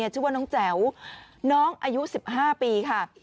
ชื่อว่าน้องแจ๋วน้องอายุ๑๕ปีค่ะ